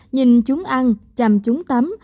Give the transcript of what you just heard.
nhìn chúng ăn chăm chúng tắm